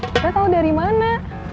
kita tau dari mana